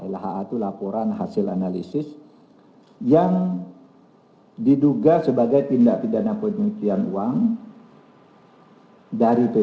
lha itu laporan hasil analisis yang diduga sebagai tindak pidana pencucian uang dari p tiga